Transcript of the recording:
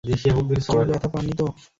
কেউ ব্যাথা পাননি তো?